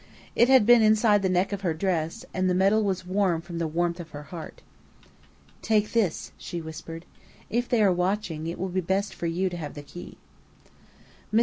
It had been inside the neck of her dress, and the metal was warm from the warmth of her heart. "Take this," she whispered. "If they are watching, it will be best for you to have the key." Mr.